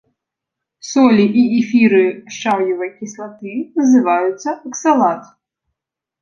Солі і эфіры шчаўевай кіслаты называюцца аксалат.